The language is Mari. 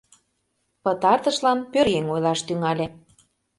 Пытартышлан пӧръеҥ ойлаш тӱҥале.